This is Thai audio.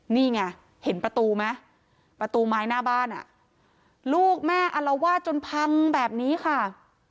นี่ไงเห็นประตูไหมประตูไม้หน้าบ้านอ่ะลูกแม่อารวาสจนพังแบบนี้ค่ะ